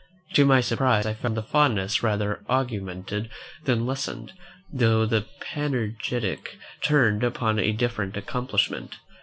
To my surprise, I found the fondness rather augmented than lessened, though the panegyric turned upon a different accomplishment.